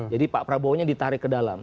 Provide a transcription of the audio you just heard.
jadi pak prabowo nya ditarik ke dalam